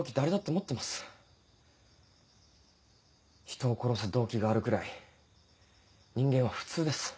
人を殺す動機があるくらい人間は普通です。